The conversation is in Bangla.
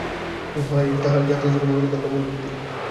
উহাই তাহার জাতীয় জীবনের মেরুদণ্ড, মূলভিত্তি।